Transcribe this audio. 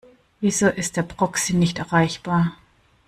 Wieso ist der Proxy nicht erreichbar?